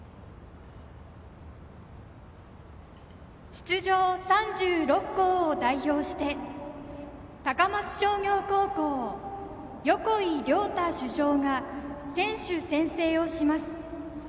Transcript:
出場３６校を代表して高松商業高校・横井亮太主将が選手宣誓をします。